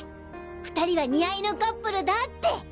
２人は似合いのカップルだって。